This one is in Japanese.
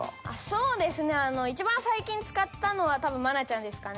そうですね一番最近使ったのは多分愛菜ちゃんですかね。